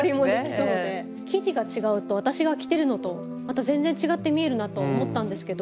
生地が違うと私が着てるのとまた全然違って見えるなと思ったんですけど。